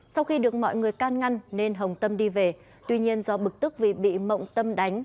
sau khi được mọi người can ngăn nên hồng tâm đi về tuy nhiên do bực tức vì bị mộng tâm đánh